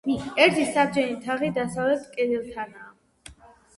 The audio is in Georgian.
ერთი საბჯენი თაღი დასავლეთ კედელთანაა.